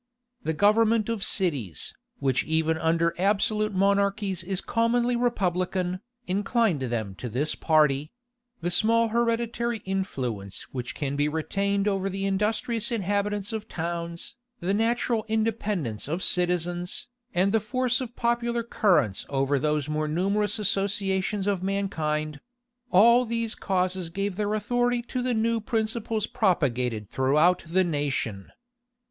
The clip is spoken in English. The government of cities, which even under absolute monarchies is commonly republican, inclined them to this party: the small hereditary influence which can be retained over the industrious inhabitants of towns, the natural independence of citizens, and the force of popular currents over those more numerous associations of mankind; all these causes gave their authority to the new principles propagated throughout the nation.